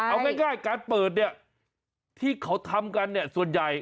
เอาง่ายการเปิดที่เขาทำกันส่วนใหญ่